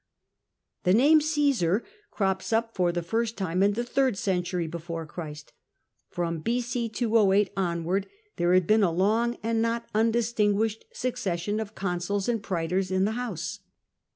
The name Caesar crops up for the first time in the third century before Christ : from B.C. 208 onward there had been a long and not undistinguislied succession of consuls and praetors in the house.